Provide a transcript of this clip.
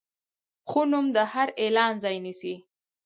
ښه نوم د هر اعلان ځای نیسي.